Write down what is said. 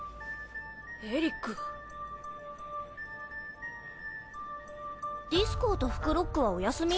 エリックディスコウとフクロックはお休み？